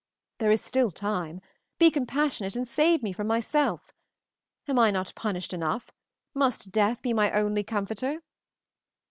There is still time. Be compassionate and save me from myself. Am I not punished enough? Must death be my only comforter?